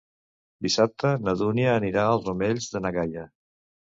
Dissabte na Dúnia anirà als Omells de na Gaia.